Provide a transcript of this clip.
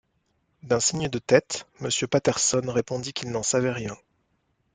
D’un signe de tête, Monsieur Patterson répondit qu’il n’en savait rien.